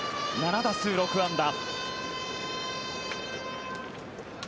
７打数６安打。